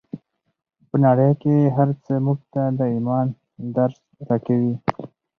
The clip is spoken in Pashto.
په نړۍ کې هر څه موږ ته د ایمان درس راکوي